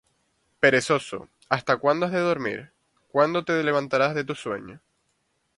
Perezoso, ¿hasta cuándo has de dormir? ¿Cuándo te levantarás de tu sueño?